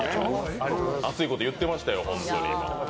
熱いこと言ってましたよ、本当に。